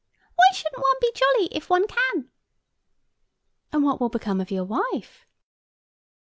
Why shouldn't one be jolly if one can?" "And what will become of your wife?"